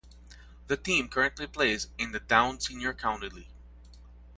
The team currently plays in the Down Senior County League.